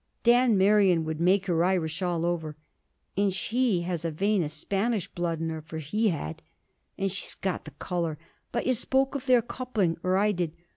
Dan Merion would make her Irish all over. And she has a vein of Spanish blood in her; for he had; and she's got the colour. But you spoke of their coupling or I did.